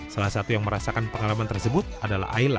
salah satu yang merasakan pengalaman tersebut adalah aila